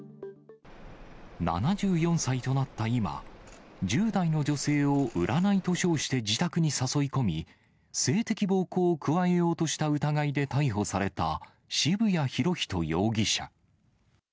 ７４歳となった今、１０代の女性を占いと称して自宅に誘い込み、性的暴行を加えようとした疑いで逮捕された渋谷博仁容疑者。